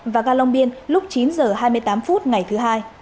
và ga long biên lúc chín h hai mươi tám phút ngày thứ hai